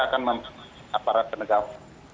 akan aparat penegak hukum